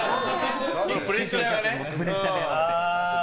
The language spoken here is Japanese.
プレッシャーがやばくて。